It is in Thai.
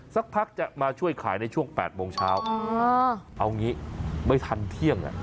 สักพักจะมาช่วยขายในช่วง๘โมงเช้าเอางี้ไม่ทันเที่ยง